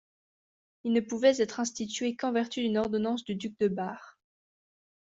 Ils ne pouvaient être institués qu'en vertu d'une ordonnance du duc de Bar.